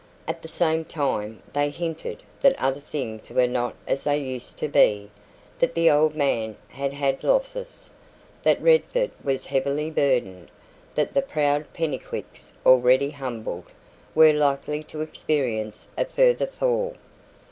At the same time, they hinted that other things were not as they used to be that the old man had had losses that Redford was heavily burdened that the proud Pennycuicks, already humbled, were likely to experience a further fall.